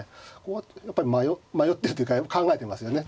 やっぱり迷ってるというか考えてますよね